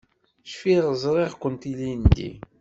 Cfiɣ ẓriɣ-kent ilindi.